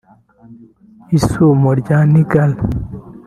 Isumo rya Niagara